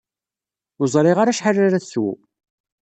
Ur ẓriɣ ara acḥal ara teswu.